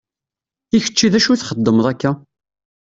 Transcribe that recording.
I kečči d acu i txeddmeḍ akka?